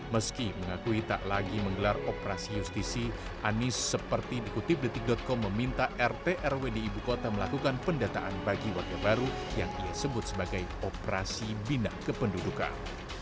meski mengakui tak lagi menggelar operasi justisi anies seperti dikutip detik com meminta rt rw di ibu kota melakukan pendataan bagi warga baru yang ia sebut sebagai operasi bina kependudukan